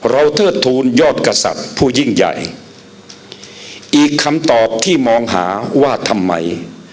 เทิดทูลยอดกษัตริย์ผู้ยิ่งใหญ่อีกคำตอบที่มองหาว่าทำไม